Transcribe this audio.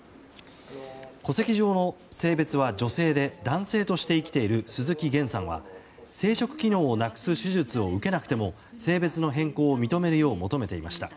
戸籍上の性別は女性で男性として生きている鈴木げんさんは生殖機能をなくす手術を受けなくても性別の変更を認めるよう求めていました。